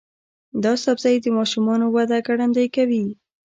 دا سبزی د ماشومانو وده ګړندۍ کوي.